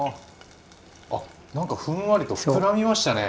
なんかふんわりと膨らみましたね。